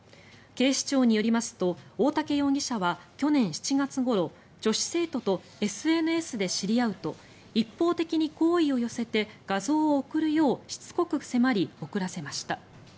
警視庁によりますと大竹容疑者は去年７月ごろ女子生徒とＳＮＳで知り合うと一方的に好意を寄せて画像を送るようしつこく迫り送らせました。